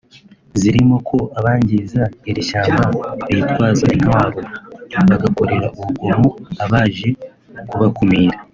zirimo ko abangiza iri shyamba bitwaza intwaro bagakorera urugomo abaje kubakumira